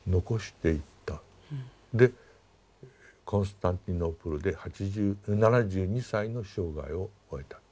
でコンスタンティノープルで７２歳の生涯を終えた。